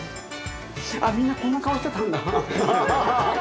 あっみんなこんな顔してたんだ。